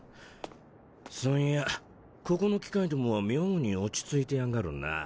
そういやここの機械どもは妙に落ち着いてやがるなぁ。